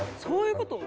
「そういう事？」